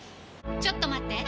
ちょっと待って！